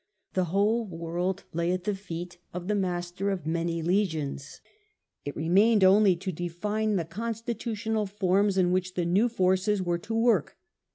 The whole world lay at the feet of the master of many legions; it remained only to define the constitutional forms in which the new forces were to work.